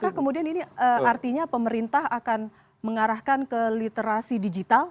apakah kemudian ini artinya pemerintah akan mengarahkan ke literasi digital